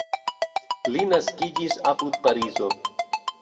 Li naskiĝis apud Parizo.